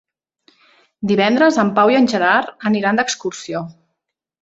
Divendres en Pau i en Gerard aniran d'excursió.